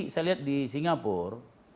saya lihat di singapura